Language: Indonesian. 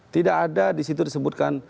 tidak ada disitu disebutkan